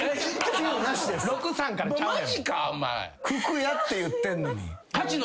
九九やって言ってんのに。